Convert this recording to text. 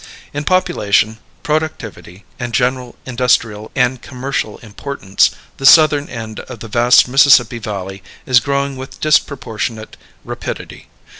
In population, productivity, and general industrial and commercial importance, the southern end of the vast Mississippi Valley is growing with disproportionate rapidity.